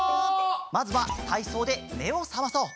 まずはたいそうでめをさまそう。